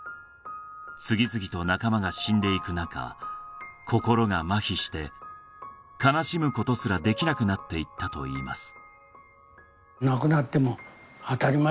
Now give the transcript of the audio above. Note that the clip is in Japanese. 次々と仲間が死んでいくなか心が麻痺して悲しむことすらできなくなっていったといいます